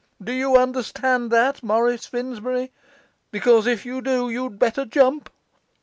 Do you understand that, Morris Finsbury? Because if you do, you had better jump.